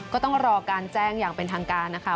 ก็ต้องรอการแจ้งอย่างเป็นทางการนะคะ